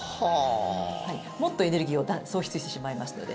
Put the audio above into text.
もっとエネルギーを喪失してしまいますので。